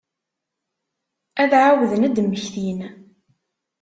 Ad ɛawden ad d-mmektin.